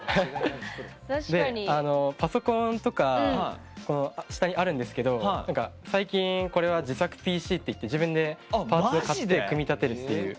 でパソコンとか下にあるんですけど最近これは自作ＰＣっていって自分でパーツを買って組み立てるっていう。